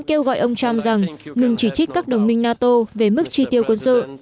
kêu gọi ông trump rằng ngừng chỉ trích các đồng minh nato về mức chi tiêu quân sự